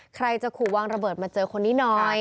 ใครจะขู่วางระเบิดมาเจอคนนี้หน่อย